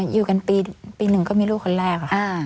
อยู่กันปีหนึ่งก็มีลูกคนแรกค่ะ